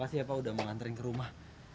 makasih ya pak udah mau nganterin ke rumah